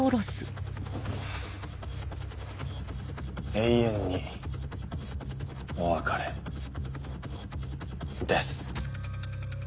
永遠にお別れデス。